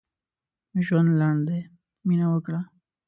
ژوند لنډ دی؛ مينه وکړه.